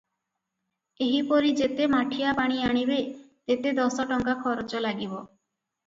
ଏହିପରି ଯେତେ ମାଠିଆ ପାଣି ଆଣିବେ, ତେତେ ଦଶ ଟଙ୍କା ଖରଚ ଲାଗିବ ।